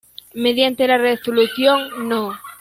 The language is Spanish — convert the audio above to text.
Mediante la resolución No.